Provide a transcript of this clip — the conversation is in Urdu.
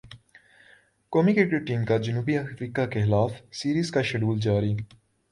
قومی کرکٹ ٹیم کے جنوبی افریقہ کیخلاف سیریز کا شیڈول جاری